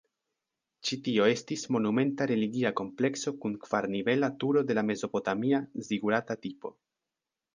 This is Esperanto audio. Ĉi tio estis monumenta religia komplekso kun kvar-nivela turo de la mezopotamia zigurata tipo.